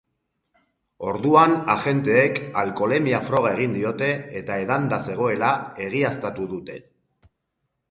Orduan agenteek alkoholemia-froga egin diote eta edanda zegoela egiaztatu dute.